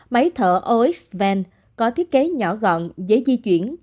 máy thở oxven có thiết kế nhỏ gọn dễ di chuyển